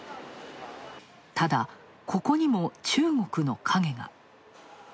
ただ、ここにも中国の陰が。